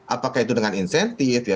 apakah itu dengan insentif ya